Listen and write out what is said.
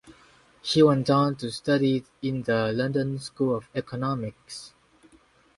He went on to study in the London School of Economics.